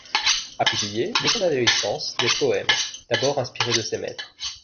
A publié, dès son adolescence, des poèmes, d'abord inspirés de ses maîtres.